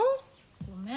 ごめん。